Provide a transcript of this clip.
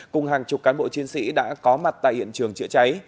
cùng hàng chục cán bộ chiến sĩ đã có mặt tại hiện trường chữa cháy